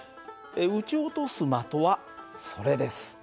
撃ち落とす的はそれです。